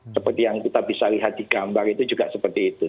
seperti yang kita bisa lihat di gambar itu juga seperti itu